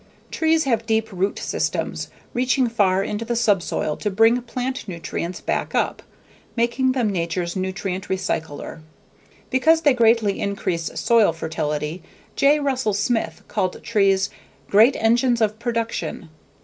Trees have deep root systems, reaching far into the subsoil to bring plant nutrients back up, making them nature's nutrient recycler. Because they greatly increase soil fertility, J. Russell Smith called trees "great engines of production."